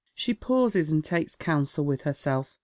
She pauses and takes counsel with herself.